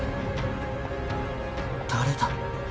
誰だ？